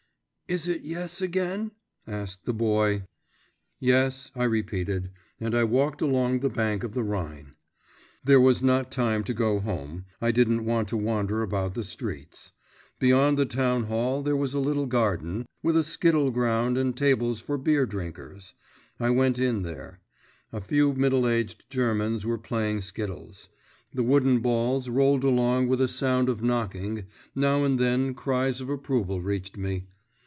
'Is it, yes, again?' asked the boy. 'Yes,' I repeated, and I walked along the bank of the Rhine. There was not time to go home, I didn't want to wander about the streets. Beyond the town wall there was a little garden, with a skittle ground and tables for beer drinkers. I went in there. A few middle aged Germans were playing skittles; the wooden balls rolled along with a sound of knocking, now and then cries of approval reached me.